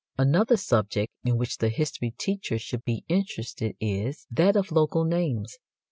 Another subject in which the history teacher should be interested is that of local names.